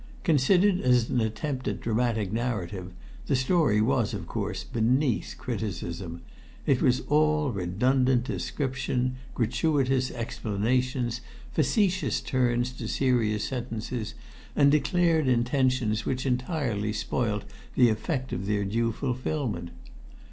Considered as an attempt at dramatic narrative, the story was, of course, beneath criticism. It was all redundant description, gratuitous explanations, facetious turns to serious sentences, and declared intentions which entirely spoilt the effect of their due fulfilment.